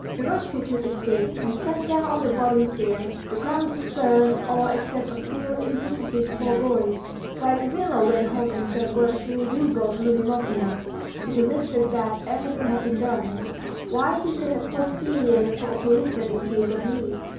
Eroshka took a stick, and sat down on the bottom stair. The crowd dispersed, all except a few inquisitive small boys, while Gavrila went home and sent word through Liubov Liubimovna to the mistress that everything had been done, while he sent a postilion for a policeman in case of need.